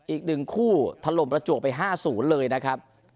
อีกหนึ่งคู่ทะลมและจวกไป๕๐เลยนะครับ